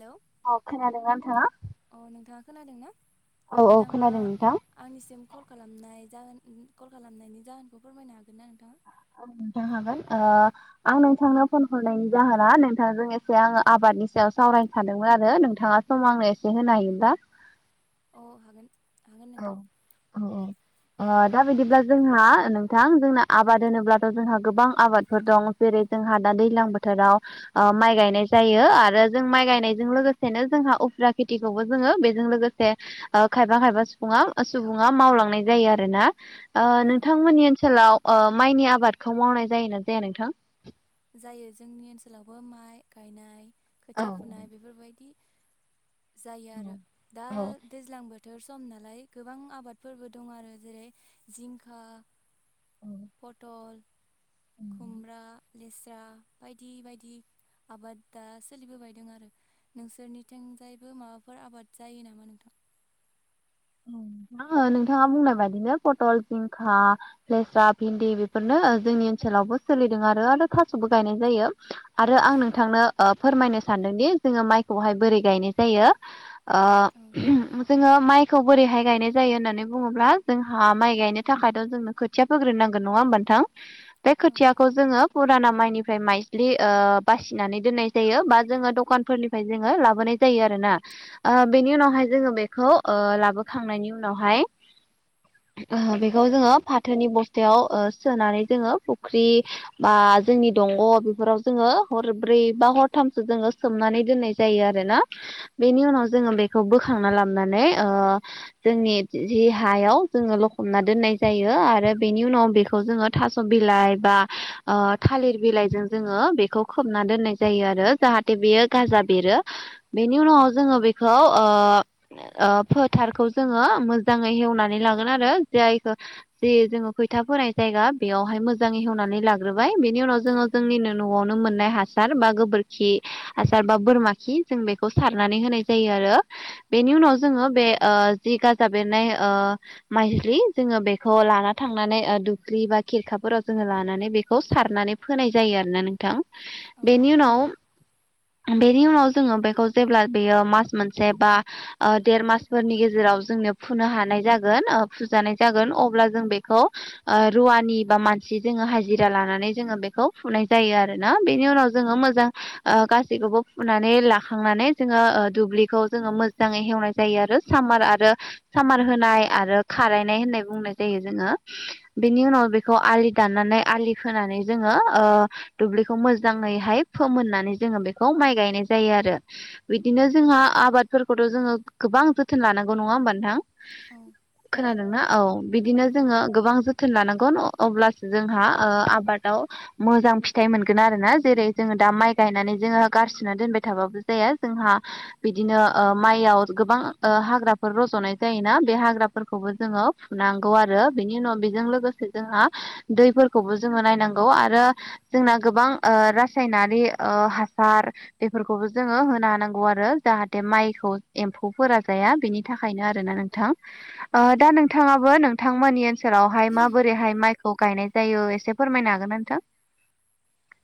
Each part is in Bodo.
हेलौ औ खोनादोंना नोंथाङा अ नोंथाङा खोनादों ना औ औ नोंथाङा खोनादों नोंथां। आंनिसिम कल खालामनाय जाहोन कल खालामनायनि जाहोनखौ फोरमायनो हागोन ना नोंथाङा नोंथां हागोन आं नोंथांनो फन हरनायनि जाहोना नोंथांजों एसे आङो आबाद नि सायाव सावरायनो सानादोंमोन आरो नोंथाङा सम आंनो एसे होनो हायोबा। औ हागोन हागोन औ नोंथां औ ओ दा बिदिब्ला जोंहा नोंथां जोंना आबाद होनोब्लाथ' जोंहा गोबां आबादफोर दं जेरै जोंहा दा दैलां बोथोराव माइ गायनाय जायो आरो जों माइ गायनायजों लोगोसेनो जोंहा उफ्रा खेथिखौबो जोङो बेजों लोगोसे खायबा खायबा सुबु सुबुङा मावलांनाय जायो आरोना औ नोंथांमोननि ओ ओनसोलाव माइनि आबादखौ मावनाय जायोना जाया नोंथां जायो जोंनि ओनसोलावबो माइ गायनाय औ खोथिया फुनाय बेफोर बायदि जायो आरो औ दा औ दैज्लां बोथोर सम नालाय गोबां आबादफोरबो दं आरो जेरै जिंखा फटल खुमब्रा, लेस्रा बायदि बायदि आबाद दा सोलिबोबायदों आरो नोंसोरनिथिंजायबो माबाफोर आबाद जायो नामा नोंथां [inaudible] नोंथाङा बुंनाय बायदिनो पटल, जिंखा, लेस्रा, भिन्दि बेफोरनो जोंनि ओनसोलावबो सोलिदों आरो आरो थास'बो गायनाय जायो। आरो आं नोंथांनो फोरमायनो सानदोंदि जोङो माइखौहाय बोरै गायनाय जायो। औ ओ जोङो माइ खौ बोरैहाय गायनाय जायो होननानै बुङोब्ला जोंहा माइ गायनो थाखायथ' जोंनो खोथिया फोग्रोनांगोन नङा होमबानो नोंथां बे औ खोथियाखौ जोङो फुराना माइनिफ्राय माइस्लि बासिनानै दोननाय जायो बा जोङो दखानफोरनिफ्राय जोङो लाबोनाय जायो आरोना बेनि उनावहाय जोङो बेखौ लाबोखांनायनि उनावहाय बेखौ जोङो फाथोनि बस्थायाव सोनानै जोङो फुख्रि बा जोंनि दंग' बेफोराव जोङो हरब्रै बा हरथामसो जोङो सोमनानै दोननाय जायो आरोना बेनि उनाव जोङो बेखौ बोखांना लाबनानै जोंनि जि हायाव जोङो लखबना दोननाय जायो आरो बेनि उनाव बेखौ जों थास' बिलाइ बा थालिर बिलाइजों जोङो बेखौ खोबना दोननाय जायो आरो जाहाथे बेयो गाजा बेरो बेनि उनाव जोङो बेखौ फोथारखौ जोङो मोजाङै हेवनानै लागोन आरो जायखौ ज जोङो खैथा फोनाय जायो ज बेयावहाय मोजाङै हवनानै लाग्रोबाय बेनि उनाव जोङो जोंनिनो न'आवनो मोननाय हासार बा गोबोरखि खि हासार बा बोरमा खि जों बेखौ सारनानै होनाय जायो आरो बेनि उनाव जोङो बे जि गाजा बेरनाय माइलि जोङो बेखौ लाना थांनानै दुबिल बा खेरखाफोराव जोङो लानानै बेखौ सारनानै फोनाय जायो आरोोना नोंथां औ बेनि उनाव बेनि उनाव जोङो बेखौ जेब्ला बेयो मास मोनसे बा देर मास फोरनि गेजेराव जोंनो फुनो हानाय जागोन फुजानाय जागोन अब्ला जों बेखौ रुव वानि बा मानसि जोङो हाजिरा लानानै जोङो बेखौ फुनाय जायो आरोना बेनि उनाव जोङो मोजां गासैखौबो फुनानै लाखांनानै जोङो दुब्लिखौ जोङो मोजाङै हेवनाय जायो आरो सामार आरो सामार होनाय आरो खारायनाय होननाय बुंनाय जायो जोङो बेनि उनाव बेखौ आ दाननानै आलि फोनानै जोङो दुब्लिखौ मोजाङैहाय फोमोननानै जों बे माइ गायनाय जायो आरो बिदिनो जोंहा आबादफोरखौथ' जोङो गोबां जोथोन लानांगौ नङा होमबा नोंथां औ खोनादोंना औ बिदिनो जोङो गोबां जोथोन जोथोन लानांगोन अब्लासो जोंहा ओ आबादाव मोजां फिथाइ मोनगोन आरोना जेरै जोङो दा माइ गायनानै जोङो गारसोना दोनबाय थाबाबो जाया जोंहा बिदिनो माइयाव गोबां ओ हाग्राफोर रज'नाय जायोना बे हाग्राफोरखौबो जोङो फुनांगौ आरो बेनि उनाव बेजों लोगोसे जोंहा दैफोरखौबो जोङो नायनांगौ आरो जोंना गोबां ओ रासायनारि ओ हासार बेफोरखौबो जोङो होनो हानांगौ आरो जाहाथे माइखौ एम्फौ फोरा जाया बेनि थाखायनो आरोना नोंथां ओ उम दा नोंथाङाबो नोंथांमोननि बोसोरावहाय माबोरैहाय माइखौ गायनाय जायो एसे फोरमायनो हागोना नोंथां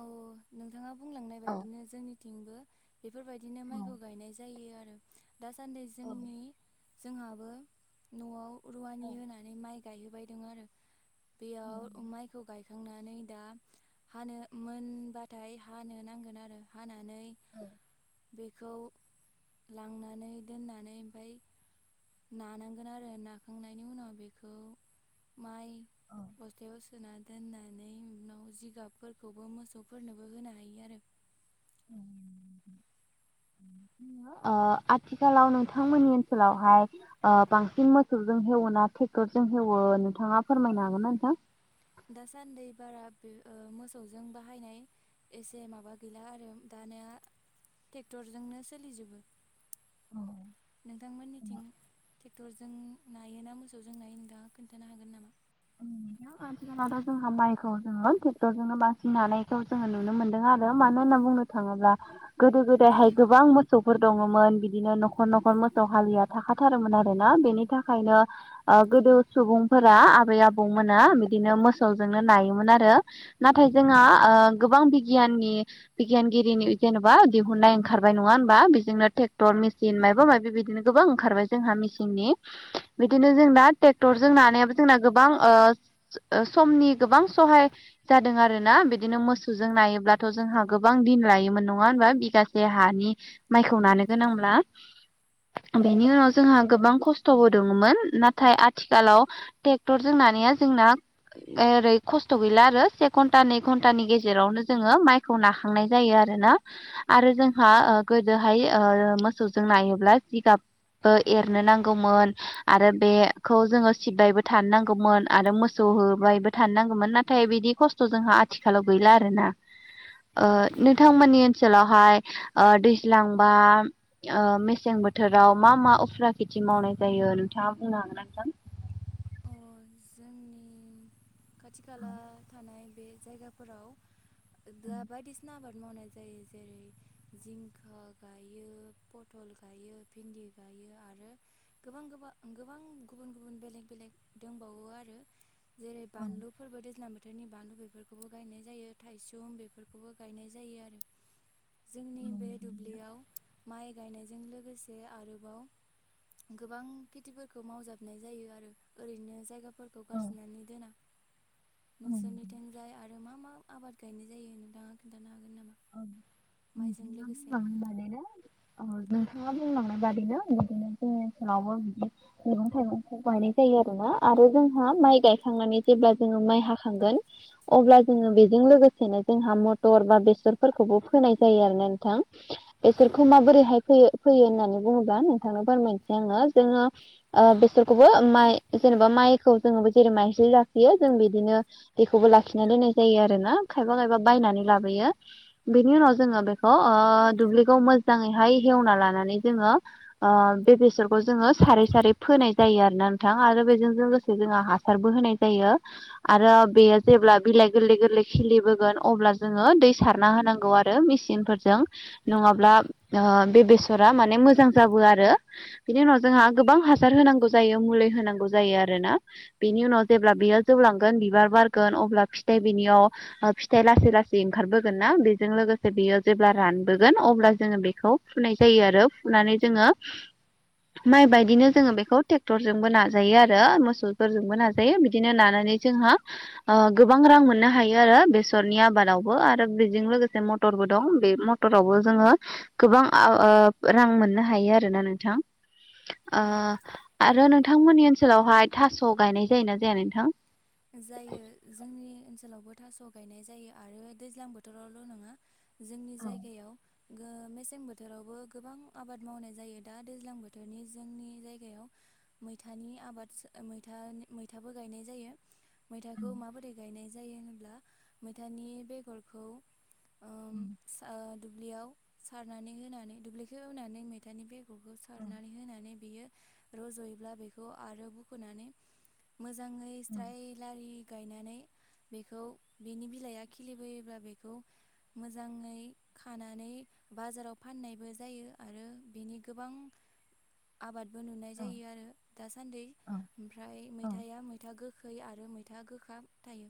औ नोंथाङा बुंलांनाय औ बायदिनो जोंनि थिंबो। बेफोर बायदिनो माइखौ गायनाय जायो आरो दासान्दि जोंनि जोंहाबो न'आव रुवानि होनानै माइ गायहो बायदों आरो। बेयाव माइखौ गायखांनानै दा हानो मोन बाथाय हानो नांगोन आरो हाना औ। बेखौ लांनानै दोननानै ओमफ्राय नानांगोन आरो नाखांनायनि उनाव बेखौ माइ बस्थायाव सोन दोननानै उनाव जिगाब फोर खौबो मोसौ फोरनोबो होनो हायो आरो। उम। ओ आथिखालाव नोंथां मोननि ओनसोलाव हाय ओ बांसिन मोसौजों हेवो ना टेक्टर जों हेवो नोंथाङा फोरमायनो हागोन ना नोंथां? दासान्दि बारा बे मोसौजों बाहायनाय एसे माबा गैला आरो दा [inaudible] ट्रेक्टरजोंनो सोलिजोबो नोंथां मोननिथिं ट्रेक्टर जों नायो ना मोसौजों नायो नोंथाङा खोन्थानो हागोन नामा? उम। आथिखालावथ' जोंहा माइखौ जोङो ट्रेक्टर जोंनो बांसिन नानायखौ जोङो नुनो मोनदों आरो मानोना बुंनो थाङोब्ला गोदो गोदाय हाय गोबां मोसौ फोर दङमोन बिदिनो न'खर न'खर मोसौ हालि थाखा थारोमोन आरोना बेनि थाखायनो ओ गोदो सुबुंफोरा आबौ मोना बिदिनो मोसौ जोंनो नायोमोन आरो नाथाय जोंहा ओ गोबां बिगियान नि बिगियान गिरिनि जेनेबा दिहुननाय ओंखारबाय नङा होमबा बेजोंनो ट्रेक्टर मेसिन माइबा बेबायदिनो गोबां ओंखारबाय जोंहा मेसिननि बिदिनो जोंना ट्रेक्टरजों नानायाबो जोंना गोबां ओ समनि गोबां सहाय जादों आरोना बिदिनो मोसौजों नायो ब्लाथ' जोंहा गोबां दिन लायोमोन नङा होमबा बिगासे हानि माइखौ नानो गोनांब्ला औ बेनि उनाव जोंहा गोबां खस्थ'बो दङमोन नाथाय आथिखालाव ट्रेक्टर जों नानिया जोंना ओरै खस्थ' गैला आरो से घन्टा नै घन्टानि गेजेरावनो जोङो माइखौ नाखांनाय जायो आरोना आरो जोंहा ओ गोदो हाय ओ मोसौजों नायोब्ला जिगाब बो एरनो नांगौ मोन आरो बे खौ जोङो सिबबायबो थानो नांगौमोन आरो मोसौ होबायबो थानो नांगौमोन नाथाय बिदि खस्थ' जोंहा आथिखालाव गैला आरोना। ओ उम नोंथां मोननि ओनसोलाव हाय ओ दैज्लां बा ओ मेसें बोथोराव मा मा उफ्रा खेथि मावनाय जायो नोंथाङा बुंनो हागोना नोंथां? अ जोंनि खाथि खाला थानाय बे जायगा फोराव दा बायदिसिना आबाद मावनाय जायो जेरै जिंखा गायो पथल गायो भिन्दि गायो आरो गोबां गोबा गोबां गुबुन गुबन बेलेग बेलेग दंबावो आरो जेरै बानलु फोरबो दैज्लां बोथोरनि बानलु बेफोरखौबो गायनाय जायो थायसुम बेफोरखौबो गायनाय जायो आरो। जोंनि बे दुब्लियाव [unintelligible] माइ गायनायजों लोगोसे आरोबाव गोबां खेथि फोरखौ मावजाबनाय जायो आरो ओरैनो जायगा फोरखौ गारसोनानै दोना। नोंसोर निथिंजाय आरो मा मा आबाद गायनाय जायो नोंथाङा खिन्थानो हागो [unintelligible] मा बुंलांनाय बादिनो बिदिनो जोंनि ओनसोलावबो बिदि मैगं थाइगंखौ गायनाय जायो आरोना। आरो जोंहा माइ गायखांनानै जेब्ला जोङो माइ हाखांगोन अब्ला जोङो बेजों लोगोसेनो जोंहा मटर बा बेसर फोरखौबो फोनाय जायो आरोना नोंथां। औ बेसोरखौ माबोरैहाय फैयो फैयो होननानै बुङोब्ला नोंथाङा फोरमायनोसै आंङो जोङो ओ- बेसखौबो माइ जेनेबा माइखौ जोङोबो जैरै मय ज्लि यो जों बिदिनो बेखौबो लाखिना दोननाय जायो आरोना, खायफा खायफा बायनानै लाबोयो। बेनि उनाव जोंङो बेखौ दुब्लिखौ मोजाङैहाय हेवना लानानै जोंङो ओ बे बेसरखौ जोंङो सारै सारै फोनाय जायो आरोना नोंथां आरो बेजों लोगोसे जोंहा हासारबो होनाय जायो। आरो बेयो जेब्ला बिलाइ गोरलै गोरलै खिलिबोगोन अब्ला जोङो दै सारना होनां गौ आरो मिसिनफोरजों नंङाब्ला ओ बे बेसरा माने मोजां जाबो आरो। बिनि उनाव जोंहा गोबां हासार होनांगौ जायो मुलि होनांगौ जायो आरोना। बेनि उनाव जेब्ला बेयो जौ लांगोन बिबार बारगोन अब्ला फिथाइ बिनियाव फिथाइ लासै लासै ओंखारबोगोनना बे जों लोगोसे बेयो जेब्ला रानबोगोन अब्ला जोंङो बेखौ फुनाय जायो आरो फुनानै जोंङो माइ बायदिनो जोंङो बेखौ टेक्टरजोंबो नाजायो आरो मोसौफोरजोंबो नाजायो बिदिनो नाना जोंहा ओ गोबां रां मोननो हायो आरो बेसरनि आबादावबो आरो बेजों लोगो से मटरबो दं बे मटरावबो जोङो गोबां आ ओ रां मोननो हायो आरोना नोंथां। आरो नोंथांमोननि ओनसोलावहाय थास' गायनाय जायोना जाया नोंथां? जायो जोंनि ओनसोलावबो थास' गायनाय जायो आरो दैज्लां बोथोरावल' नंङा जोंनि जायगायाव मेसें बोथोरावबो गोबां आबाद मावनाय जायो। दा दैज्लां बोथोरनि जोंनि जायगायाव मैथानि आबाद मैथा मैथाबो गायनाय जायो। मैथाखौ माबोरै गायनाय जायो होनोब्ला मैथानि बेगरखौ ओम उम सा दुब्लियाव सारनानै होनानै दुब्लिखौ एवानै मैथानि बेगरखौ सारनानै होनानै बियो रज'योब्ला बेखौ आरो बुख'नानै मोजां फ्राय लारि गायनानै बेखौ बेनि बिलाइआ खिलि बोयोब्ला बेखौ मोजाङै खानानै बाजाराव फाननायबो जायो आरो बिनि गोबां आबाद बो नुनाय जायो आरो दासान्दै ओमफ्राय मैथाया मैथा गो खै आरो मैथा गोखा थायो।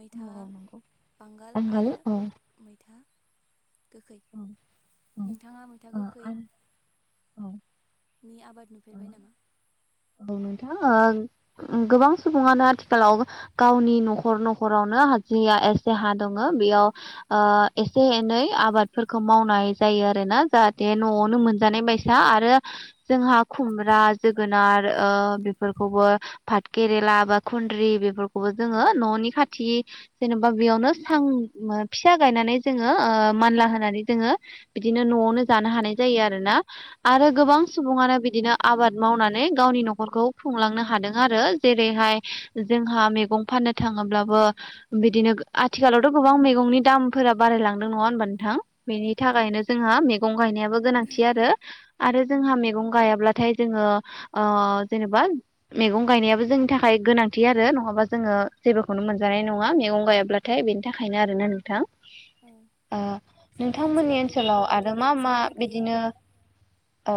मैथा बांगाल आं गायो आरो औ मैथा गोखै नोंथाङा मैथा गोखै औ। नि आबाद नुफेरबाय नामा? औ नोंथा ओ गोबां सुबुङानो आथिखालाव गावनि न'खर न'खरावनो जिया एसे हा दङ बेयाव ओ एसे एनै आबादफोरखौ मावनाय जायो आरो। जाहाथे न'आवनो मोनजानाय बायसा आरो जोंहा खुमब्रा जोगोनार। ओ बेफोरखौबो भाथ केेरेला बा खुन्द्रि बेफोरखौबो जोङो न'नि खाथि जेन'बा बेयावनो सां फिसा गायनानै जोङो ओ मानला होनानै जोङो बिदिनो। न'आवनो जानो हानाय जायो आरोना आरो गोबां सुबुङानो बिदिनो आबाद मावनानै गावनि न'ख न'खरखौ खुंलांनो हादों आरो जेरैहाय जोंहा मैगं फाननो थाङोब्लाबो बिदिनो आथिखालावथ' गोबां मैगंनि दामफोरा बारायलांदों नङा होनबा नोंथां बेनि थाखायनो जोंहा मैगं गायनायाबो गोनांथि आरो आरो जोंहा मैगं गायाब्लाथाय जोङो ओ जेनेबा मैगं गायनायाबो जोंनि थाखाय गोनांथि आरो नङाबा जोङो जेबोखौनो मोनजानाय नङा। मैगं गायाब्लाथाय बेनि थाखायनो आरोना नोंथां। औ ओ जोंनि नोंथांमोननि ओनसोलावबो ओनसोलाव आरो बेफोरबायदिनो मा मा जानो गैयि बिदिनो औ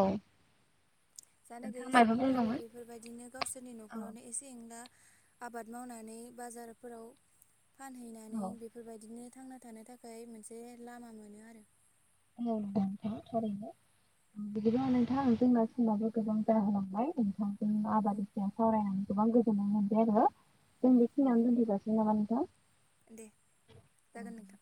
जानो नोंथाङा गैयै मायबा बुंदोंमोन सुबुंफोराबो बेफोरबायदिनो गावसोरनि न'खरावनो एसे एंला आबाद मावनानै बाजारफोराव फानहैनानै बेफोरबायदिनो। थांना थानो थाखाय मोनसे लामा मोनो आरो। औ [unintelligible] थारैनो। बिदिनो नोंथां जोंना समाबो गोबां जाहोलांबाय नोंथां जों औ आबादनि सावरायनानै गोबां गोजोननाय मोनबाय आरो जों बेखिनियावानो दोनथ'जासिगोन नामा नोंथां? दे जागोन नोंथां।